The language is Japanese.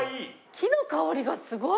木の香りがすごい！